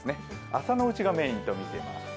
朝のうちがメインとみてます。